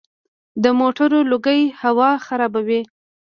د موټرو لوګی هوا خرابوي.